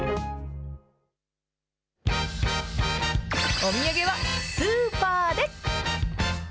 お土産はスーパーで。